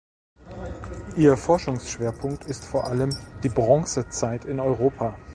Ihr Forschungsschwerpunkt ist vor allem die Bronzezeit in Europa.